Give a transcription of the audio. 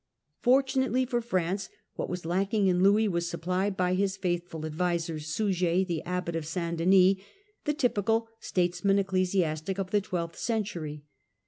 Fortunately for France, what was lacking in Louis was supplied by his faithful adviser, Suger, the abbot of St Denis, the typical statesman ecclesiastic of the twelfth century.